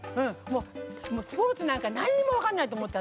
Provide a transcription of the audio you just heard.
スポーツなんかなんも分からないと思った。